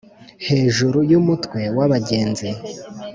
hejuru yumutwe wabagenzi